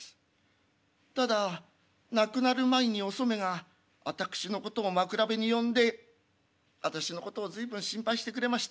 ただ亡くなる前におそめが私のことを枕辺に呼んで私のことを随分心配してくれました。